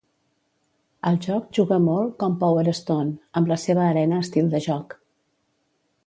El joc juga molt com "Power Stone" amb la seva Arena estil de joc.